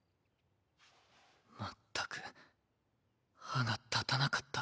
全く歯が立たなかった。